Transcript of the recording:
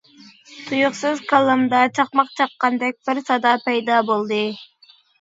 تۇيۇقسىز كاللامدا چاقماق چاققاندەك بىر سادا پەيدا بولدى.